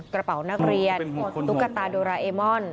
กระเป๋านักเรียนตุ๊กตาโดราเอมอน